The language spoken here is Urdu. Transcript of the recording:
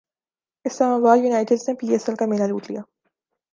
اسلام باد یونائٹیڈ نے پی ایس ایل کا میلہ لوٹ لیا